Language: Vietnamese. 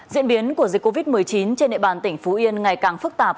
diễn biến của dịch covid một mươi chín trên địa bàn tỉnh phú yên ngày càng phức tạp